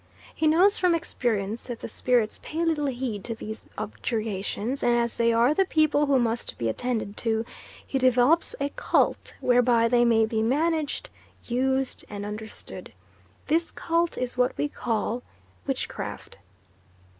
He knows from experience that the spirits pay little heed to these objurgations, and as they are the people who must be attended to, he develops a cult whereby they may be managed, used, and understood. This cult is what we call witchcraft.